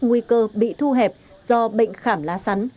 nguy cơ bị thu hẹp do bệnh khảm lá sắn